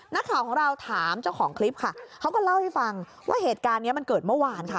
นักข่าวของเราถามเจ้าของคลิปค่ะเขาก็เล่าให้ฟังว่าเหตุการณ์เนี้ยมันเกิดเมื่อวานค่ะ